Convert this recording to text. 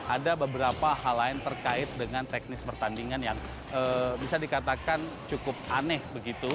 ada beberapa hal lain terkait dengan teknis pertandingan yang bisa dikatakan cukup aneh begitu